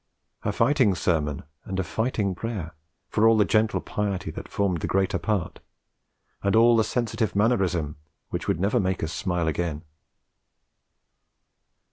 A fighting sermon and a fighting prayer, for all the gentle piety that formed the greater part, and all the sensitive mannerism which would never make us smile again.